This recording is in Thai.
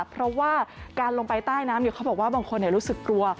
เพราะว่าการลงไปใต้น้ำเขาบอกว่าบางคนรู้สึกกลัว